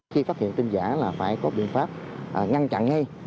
khi phát hiện tin giả là phải có biện pháp ngăn chặn ngay